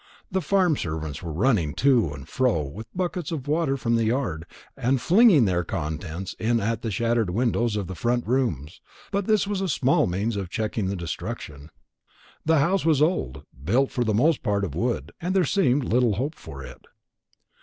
The farm servants were running to and fro with buckets of water from the yard, and flinging their contents in at the shattered windows of the front rooms; but this was a small means of checking the destruction. The house was old, built for the most part of wood, and there seemed little hope for it.